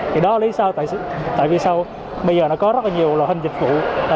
thì đó lý do tại vì sao bây giờ nó có rất là nhiều loại hình dịch vụ